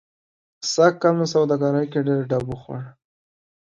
سږ کال مې په سوادګرۍ کې ډېر ډب و خوړ.